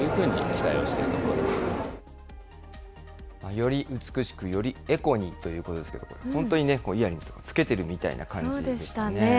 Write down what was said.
より美しく、よりエコにということですけれども、本当にイヤリングとかつけてるみたいでしたね。